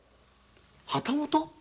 旗本！